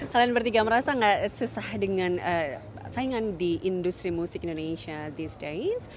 kalian bertiga merasa gak susah dengan saingan di industri musik indonesia this ⁇ days